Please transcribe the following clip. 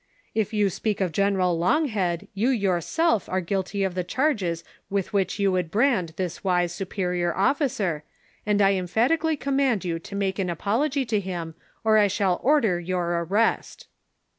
" If you speak of General Loiigliead, you yourself are guilty of the charges with which you would brand this wise superior ollicer, and I cmpliatically command you to make an apology to him, or I shall order your arrest."